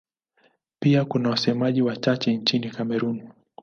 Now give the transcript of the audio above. Pia kuna wasemaji wachache nchini Kamerun.